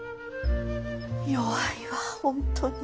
弱いわ本当に。